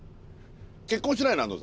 結婚してないの？